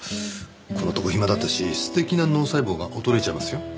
ここのところ暇だったし素敵な脳細胞が衰えちゃいますよ。